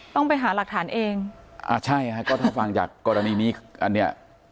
ต้องไปหาหลักฐานเองอ่าใช่ฮะก็ถ้าฟังจากกรณีนี้อันเนี้ย